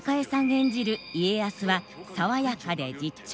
演じる家康は爽やかで実直。